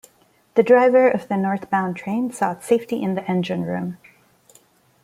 The driver of the northbound train sought safety in the engine room.